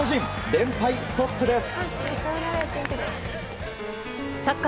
連敗ストップです。